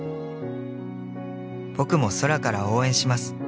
「僕も空から応援します」